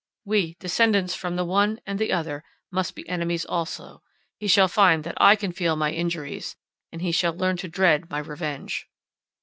We, descendants from the one and the other, must be enemies also. He shall find that I can feel my injuries; he shall learn to dread my revenge!"